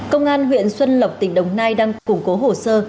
công an huyện xuân lộc tỉnh đồng nai đang củng cố hồ sơ